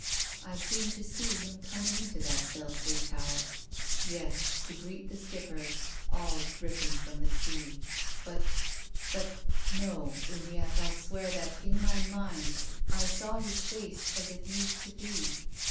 I seemed to see him coming into that belfry tower — yes, to greet the Skipper, all dripping from the sea. But — but — no, Uniacke, I'll swear that, in my mind, I saw his face as it used to be.